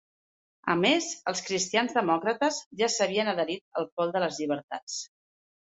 A més, els Cristians Demòcrates ja s'havien adherit al Pol de les Llibertats.